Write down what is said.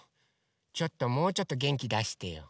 ちょっともうちょっとげんきだしてよ。